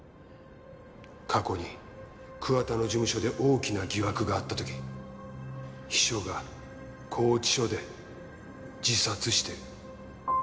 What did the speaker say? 過去に桑田の事務所で大きな疑惑があった時秘書が拘置所で自殺している。